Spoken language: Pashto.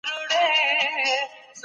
په هغه وخت کي خلک په کلي کي اوسېدل.